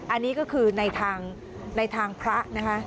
อันนี้ก็คือในทางพระนะคะ